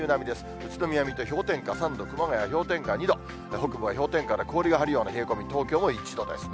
宇都宮、水戸、氷点下３度、熊谷氷点下２度、北部は氷点下で、氷が張るような冷え込み、東京も１度ですね。